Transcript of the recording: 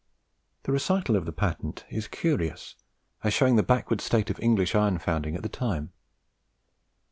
The recital of the patent is curious, as showing the backward state of English iron founding at that time.